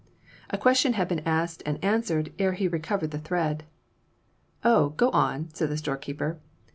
A question had been asked and answered ere he recovered the thread. "Oh, go on," said the storekeeper.